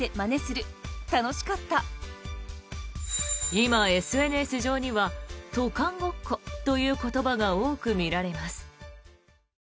今、ＳＮＳ上には渡韓ごっこという言葉が多く見られます。